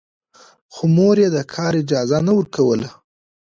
خو مور يې د کار اجازه نه ورکوله.